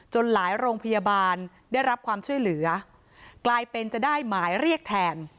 หลายโรงพยาบาลได้รับความช่วยเหลือกลายเป็นจะได้หมายเรียกแทน